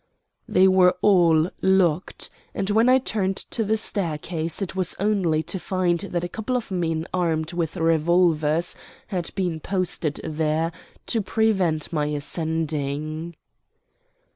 They were all locked, and when I turned to the staircase it was only to find that a couple of men armed with revolvers had been posted there to prevent my ascending.